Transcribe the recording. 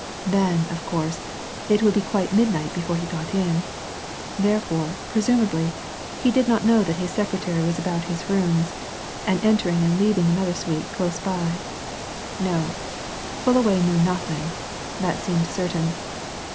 Then, of course, it would be quite midnight before he got in. Therefore, presumably, he did not know that his secretary was about his rooms and entering and leaving another suite close by. No Fullaway knew nothing that seemed certain.